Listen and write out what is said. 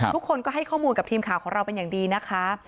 ทุกคนก็ให้ข้อมูลกับทีมข่าวของเราเป็นอย่างดีนะคะ